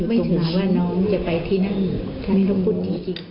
เราไม่ถึงว่าที่นั่นมีพระครับ